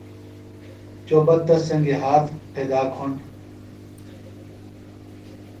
چوۡ بہ تس سنگیۡ ہات پھدا کُھنڈ